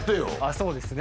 そうですね。